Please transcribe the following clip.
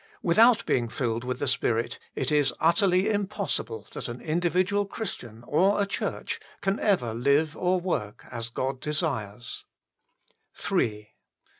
Without being filled with the Spirit, it is utterly impossible that an individual Christian or a church can ever live or work as God desires, i 2 INTRODUCTION 3.